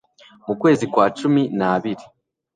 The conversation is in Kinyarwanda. mu kwezi kwa cumi n abiri